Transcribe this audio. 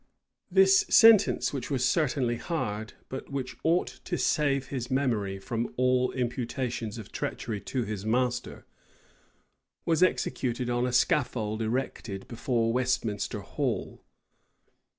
This sentence, which was certainly hard, but which ought to save his memory from all imputations of treachery to his master, was executed on a scaffold erected before Westminster Hall.